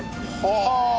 はあ！